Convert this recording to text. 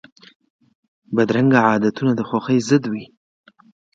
بدرنګه عادتونه د خوښۍ ضد وي